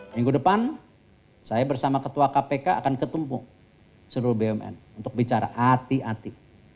minggu depan saya bersama ketua kpk akan ketumpuk seluruh bumn untuk bicara hati hati